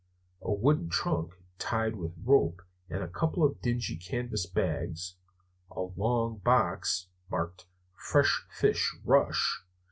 A wooden trunk tied with rope, a couple of dingy canvas bags, a long box marked "Fresh Fish! Rush!"